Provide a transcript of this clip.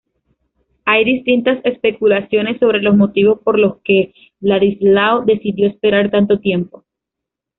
Hay distintas especulaciones sobre los motivos por los que Vladislao decidió esperar tanto tiempo.